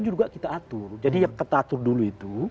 juga kita atur jadi yang kita atur dulu itu